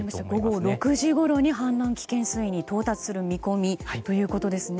午後６時ごろに氾濫危険水位に到達する見込みということですね。